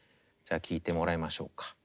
じゃあ聴いてもらいましょうか。